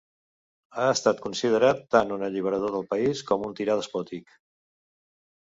Ha estat considerat tant un alliberador del país com un tirà despòtic.